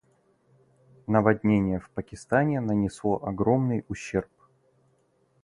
Наводнение в Пакистане нанесло огромный ущерб.